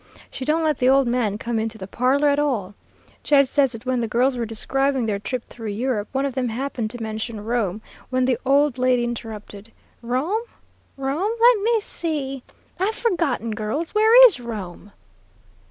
She don't let the old man come into the parlor at all. Jed says that when the girls were describing their trip through Europe, one of them happened to mention Rome, when the old lady interrupted: 'Rome? Rome? Let me see, I've forgotten, girls. Where is Rome?'